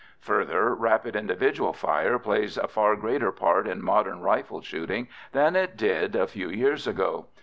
Further, rapid individual fire plays a far greater part in modern rifle shooting than it did a few years ago.